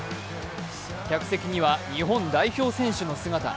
客席には日本代表選手の姿。